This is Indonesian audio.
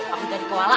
aku jadi kewalahan